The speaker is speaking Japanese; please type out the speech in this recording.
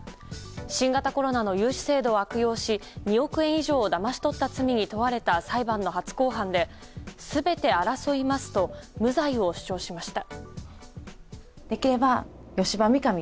新型コロナの融資制度を悪用し２億円以上をだまし取った罪に問われた裁判の初公判で全て争いますと無罪を主張しました。